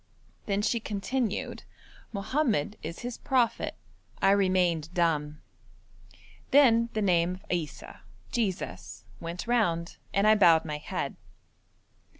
Then she continued, 'Mohammed is his prophet.' I remained dumb. Then the name of Issa (Jesus) went round, and I bowed my head.